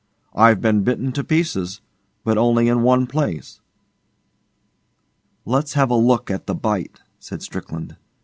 'I've been bitten to pieces, but only in one place.' 'Let's have a look at the bite,' said Strickland.